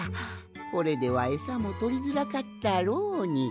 これではエサもとりづらかったろうに。